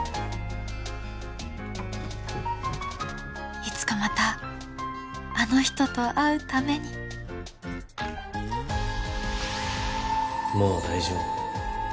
いつかまたあの人と会うためにもう大丈夫